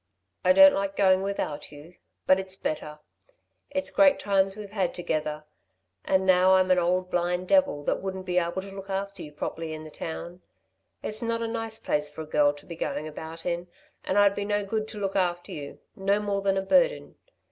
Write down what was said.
"I don't like going without you, but it's better. It's great times we've had together ... and now I'm an old blind devil that wouldn't be able to look after you properly in the town. It's not a nice place for a girl to be going about in, and I'd be no good to look after you no more than a burden.